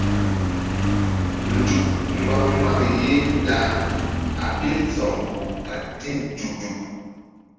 Nzuk mba mbaŋ ye ta a ɓil sa̧w kpuh a ti̧h nzuk nzuk.